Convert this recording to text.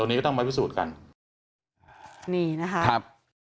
นี่นะครับ